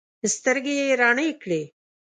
سترګې یې رڼې کړې.